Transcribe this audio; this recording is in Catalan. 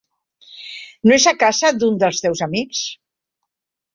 No és a casa d'un dels teus amics?